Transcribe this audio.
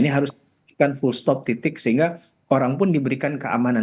ini harus diberikan full stop titik sehingga orang pun diberikan keamanan